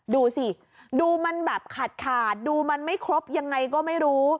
ดูสิดูมันแบบขาดขาดดูมันไม่ครบยังไงก็ไม่รู้